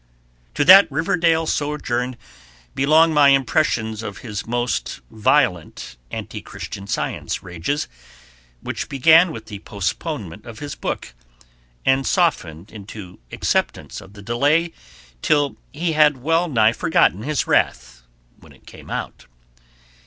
To that Riverdale sojourn belong my impressions of his most violent anti Christian Science rages, which began with the postponement of his book, and softened into acceptance of the delay till he had well nigh forgotten his wrath when it come out.